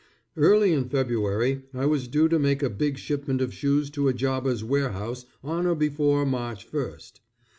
Early in February, I was due to make a big shipment of shoes to a jobbers' warehouse on or before March first.